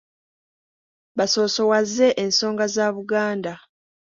Basoosowaze ensonga za Buganda.